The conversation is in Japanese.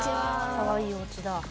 かわいいおうちだ。